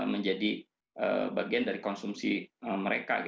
menjadi bagian dari konsumsi mereka